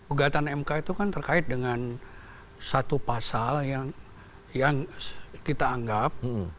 ugatan mk itu kan terkait dengan satu pasal yang kita anggap